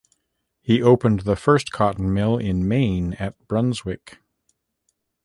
He opened the first cotton mill in Maine, at Brunswick.